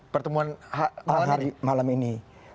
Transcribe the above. pertemuan hari malam ini